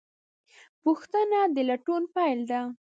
پوښتنه د لټون پیل ده.